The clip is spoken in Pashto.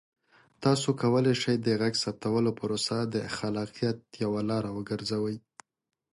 تاسو کولی شئ د غږ ثبتولو پروسه د خلاقیت یوه لاره وګرځوئ.